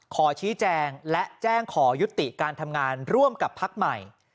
ขอชี้แจงและแจ้งขอยุติการทำงานร่วมกับพักใหม่